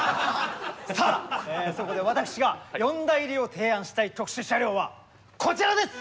さあそこで私が四大入りを提案したい特殊車両はこちらです！